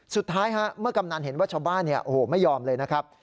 สุดท้ายเมื่อกำนันเห็นว่าชาวบ้านไม่ยอมเลยนะครับ